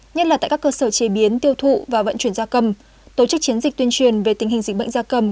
nhất là tại các cơ sở chế biến tiêu thụ và vận chuyển gia cầm tổ chức chiến dịch tuyên truyền về tình hình dịch bệnh gia cầm